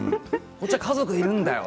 こっちは家族といるんだよ